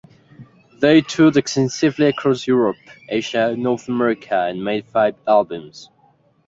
They toured extensively across Europe, Asia and North America, and made five albums.